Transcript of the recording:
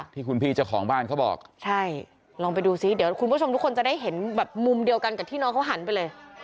ที่คุณพี่เจ้าของบ้านเขาบอกใช่ลองไปดูซิเดี๋ยวคุณผู้ชมทุกคนจะได้เห็นแบบมุมเดียวกันกับที่น้องเขาหันไปเลย